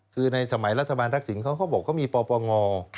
คือในสมัยรัฐบาลทักศิลป์เค้าบอกก็มีป่อป่องอ